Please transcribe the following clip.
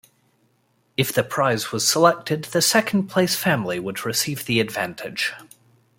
If the prize was selected, the second place family would receive the advantage.